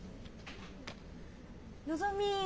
のぞみ